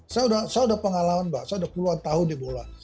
saya udah pengalaman mbak saya udah puluhan tahun di bola